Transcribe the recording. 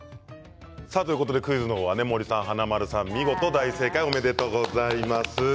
クイズの方は森さん、華丸さん、見事に大正解おめでとうございます。